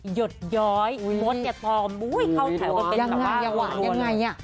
หยดย้อยมดอย่าตอมเข้าแถวกันเป็นแบบว่ายังไงยังหวานยังไง